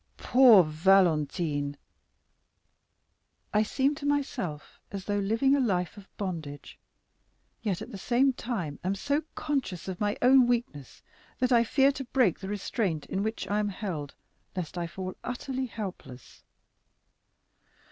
"Poor Valentine!" "I seem to myself as though living a life of bondage, yet at the same time am so conscious of my own weakness that I fear to break the restraint in which I am held, lest I fall utterly helpless.